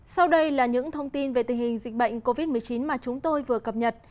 sau đây là những thông tin về tình hình dịch bệnh covid một mươi chín mà chúng tôi vừa cập nhật